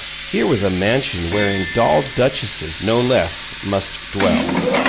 Here was a mansion wherein doll duchesses, no less, must dwell.